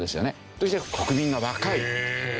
そして国民が若い。